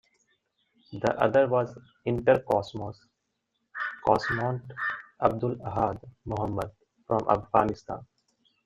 The other was Intercosmos cosmonaut Abdul Ahad Mohmand, from Afghanistan.